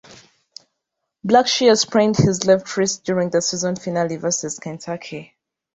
Blackshear sprained his left wrist during the season finale versus Kentucky.